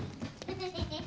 フフフ。